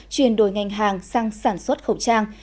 chuyển đổi ngành hàng sang sản xuất khẩu trang